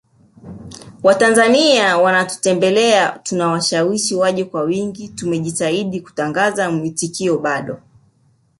Watanzania wanatutembelea tunawashawishi waje kwa wingi tumejitahidi kutangaza mwitikio bado